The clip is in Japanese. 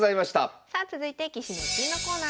さあ続いて「棋士の逸品」のコーナーです。